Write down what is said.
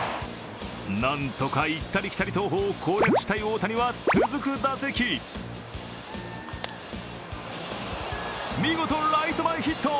なんとか行ったり来たり投法を攻略したい大谷は続く打席見事、ライト前ヒット。